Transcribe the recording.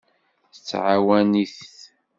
Tettɛawan-it.